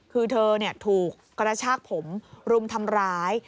คือเธอถูกกระชากผมรุมทำร้าย